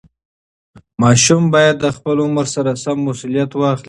ماشوم باید د خپل عمر سره سم مسوولیت واخلي.